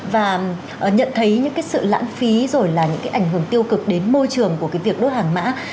và nhận thấy những cái sự lãng phí rồi là những cái ảnh hưởng tiêu cực đến môi trường của cái việc đốt hàng mã